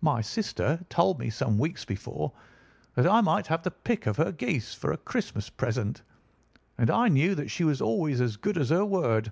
"My sister had told me some weeks before that I might have the pick of her geese for a Christmas present, and I knew that she was always as good as her word.